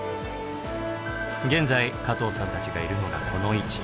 現在加藤さんたちがいるのがこの位置。